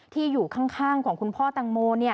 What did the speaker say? อยู่ข้างของคุณพ่อตังโม